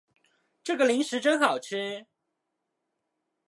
这个零食真好吃